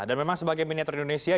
dan memang sebagai miniatur indonesia